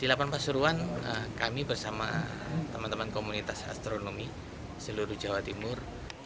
di lapan pasuruan kami bersama teman teman komunitas astronomi seluruh jawa timur